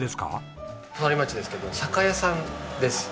隣町ですけど酒屋さんです。